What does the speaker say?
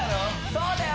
そうだよ！